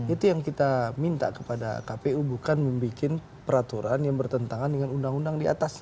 itu yang kita minta kepada kpu bukan membuat peraturan yang bertentangan